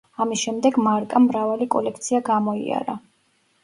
ამის შემდეგ მარკამ მრავალი კოლექცია გამოიარა.